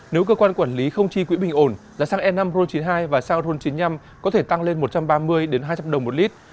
nếu cơ quan quản lý không chi quỹ bình ổn giá xăng e năm ron chín mươi hai và xăng ron chín mươi năm có thể tăng lên một trăm ba mươi hai trăm linh đồng một lít